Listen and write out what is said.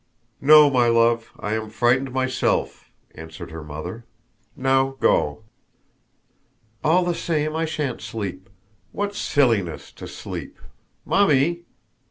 "No, my love; I am frightened myself," answered her mother. "Now go!" "All the same I shan't sleep. What silliness, to sleep! Mummy!